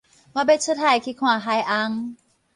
我欲出海去看海翁